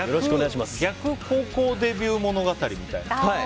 逆高校デビュー物語みたいな。